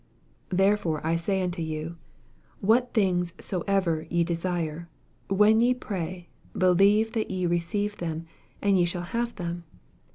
24 Therefore I say unto you, What things soever ye desire, when ye pray, believe that ye receive them, and ye shall have them.